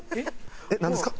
えっなんですか？